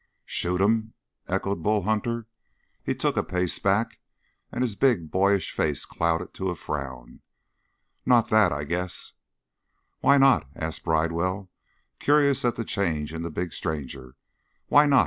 "Shoot him?" echoed Bull Hunter. He took a pace back, and his big, boyish face clouded to a frown. "Not that, I guess!" "Why not?" asked Bridewell, curious at the change in the big stranger. "Why not?